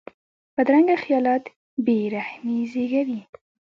بدرنګه خیالات بې رحمي زېږوي